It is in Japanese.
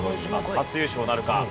初優勝なるか？